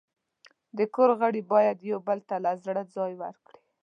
د کور غړي باید یو بل ته له زړه ځای ورکړي.